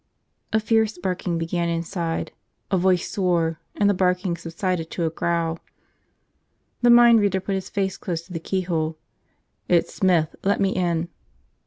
A fierce barking began inside, a voice swore, and the barking subsided to a growl. The mind reader put his face close to the keyhole. "It's Smith. Let me in."